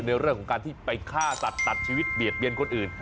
ในเรื่องของการที่ไปฆ่าสัตว์ตัดชีวิตเบียดเบียนคนอื่น